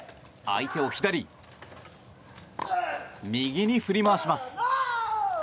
相手を左、右に振り回します。